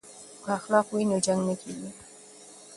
که اخلاق وي نو جنګ نه کیږي.